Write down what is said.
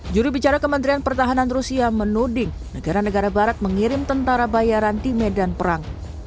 juri bicara kementerian pertahanan rusia menuding negara negara barat mengirim tentara bayaran di medan perang